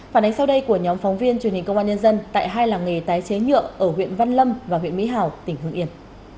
phản ánh sau đây của nhóm phóng viên truyền hình công an nhân dân tại hai làng nghề tái chế nhựa ở huyện văn lâm và huyện mỹ hảo tỉnh hương yên